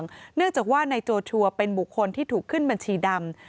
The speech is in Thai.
เนื่องจากว่านายโจชัวร์เป็นบุคคลที่ถูกขึ้นบัญชีดำ